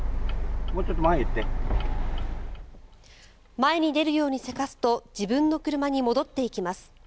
前に出るようにせかすと自分の車に戻っていきます。